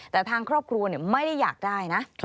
แต่ทางครอบครัวไม่ได้อยากได้นะ